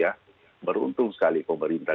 ya beruntung sekali pemerintah